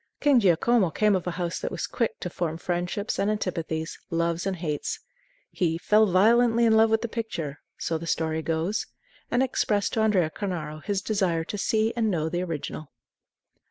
King Giacomo came of a house that was quick to form friendships and antipathies, loves and hates. He "fell violently in love with the picture," so the story goes, and expressed to Andrea Cornaro his desire to see and know the original.